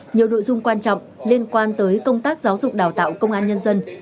nhiều nội dung quan trọng liên quan tới công tác giáo dục đào tạo công an nhân dân